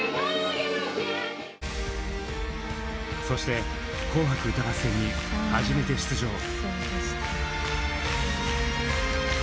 そして「紅白歌合戦」に初めて出場。